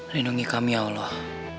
lindungi kami allah